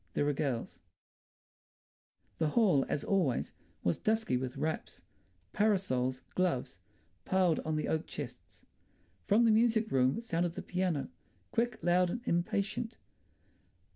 There are girls—" The hall, as always, was dusky with wraps, parasols, gloves, piled on the oak chests. From the music room sounded the piano, quick, loud and impatient.